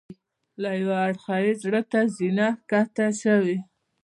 له یوه اړخه یې زړه ته زینه ښکته شوې.